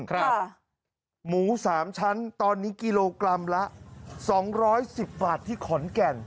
ค่ะหมูสามชั้นตอนนี้กิโลกรัมละสองร้อยสิบบาทที่ขอนแก่น